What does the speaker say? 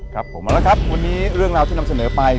ครับผมมาแล้วครับวันนี้เรื่องราวที่นำเสนอไป